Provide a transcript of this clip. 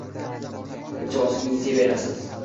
mijozingizga berasiz